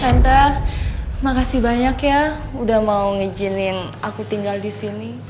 santa makasih banyak ya udah mau izinin aku tinggal di sini